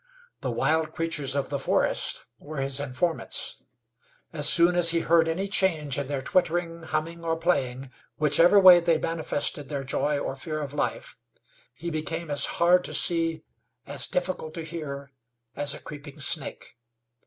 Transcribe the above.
The wild creatures of the forest were his informants. As soon as he heard any change in their twittering, humming or playing whichever way they manifested their joy or fear of life he became as hard to see, as difficult to hear as a creeping snake.